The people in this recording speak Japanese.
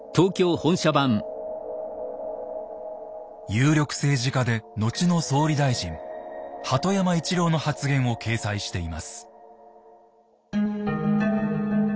有力政治家で後の総理大臣鳩山一郎の発言を掲載しています。